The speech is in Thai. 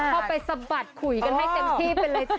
เข้าไปสะบัดขุยกันให้เต็มที่ไปเลยจ้